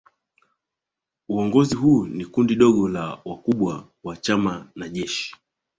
Uongozi huo ni kundi dogo la wakubwa wa chama na jeshi